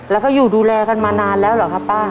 แล้วเขาอยู่ดูแลกันมานานแล้วเหรอครับป้า